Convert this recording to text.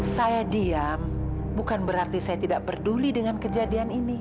saya diam bukan berarti saya tidak peduli dengan kejadian ini